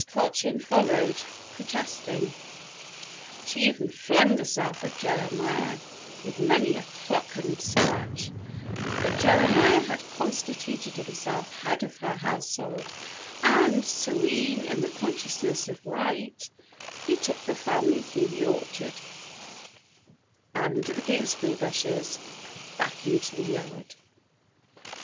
Cochin followed, protesting. She even flung herself at Jeremiah, with many a cluck and scratch; but Jeremiah had constituted himself head of her household and, serene in the consciousness of right, he took the family through the orchard, under the gooseberry bushes and back into the yard.